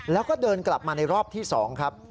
แล้วก็เดินกลับมาในรอบที่๒ครับ